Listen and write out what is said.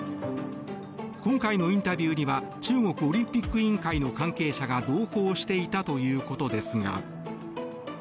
今回のインタビューには中国オリンピック委員会の関係者が同行していたということですが。